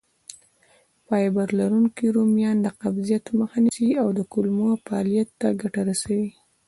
فایبر لرونکي رومیان د قبض مخه نیسي او د کولمو فعالیت ته ګټه رسوي.